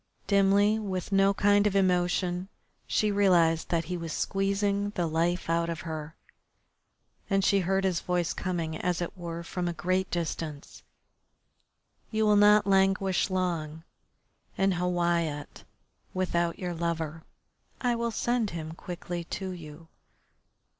Dimly, with no kind of emotion, she realised that he was squeezing the life out of her and she heard his voice coming, as it were, from a great distance: "You will not languish long in Hawiyat without your lover. I will send him quickly to you."